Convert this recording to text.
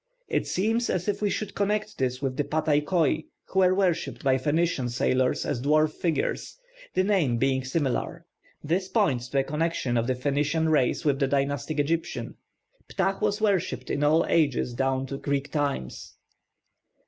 It seems as if we should connect this with the pataikoi who were worshipped by Phoenician sailors as dwarf figures, the name being similar. This points to a connection of the Phoenician race with the dynastic Egyptians. Ptah was worshipped in all ages down to Greek times.